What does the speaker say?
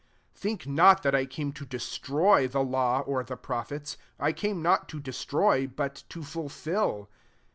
17 Think not that I came to destroy the law or the prophets : I came not to destroy but to ful ' fil.